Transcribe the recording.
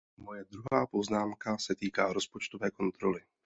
Moje druhá poznámka se týká rozpočtové kontroly.